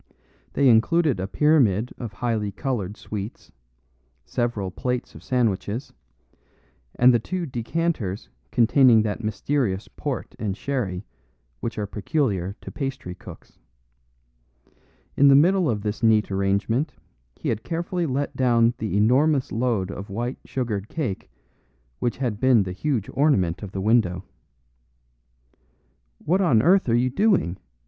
They included a pyramid of highly coloured sweets, several plates of sandwiches, and the two decanters containing that mysterious port and sherry which are peculiar to pastry cooks. In the middle of this neat arrangement he had carefully let down the enormous load of white sugared cake which had been the huge ornament of the window. "What on earth are you doing?"